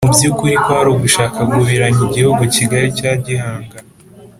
mu by'ukuri kwari ugushaka gubiranya igihugu kigari cya gihanga